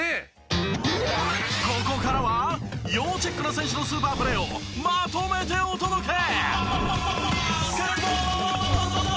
ここからは要チェックな選手のスーパープレーをまとめてお届け！